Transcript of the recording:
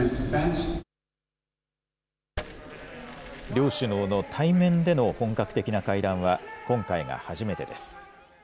両首脳の対面での本格的な会談は今回が初めてです。